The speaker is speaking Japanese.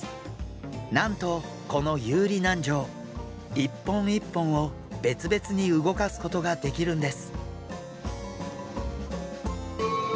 なんとこの遊離軟条１本１本を別々に動かすことができるんです。